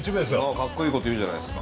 かっこいいこと言うじゃないですか。